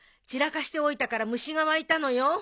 散らかしておいたから虫が湧いたのよ。